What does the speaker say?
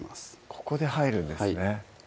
ここで入るんですね